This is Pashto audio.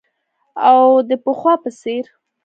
او د پخوا په څیر